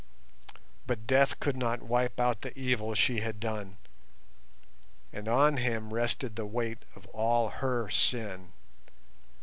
"But death could not wipe out the evil she had done, and on him rested the weight of all her sin.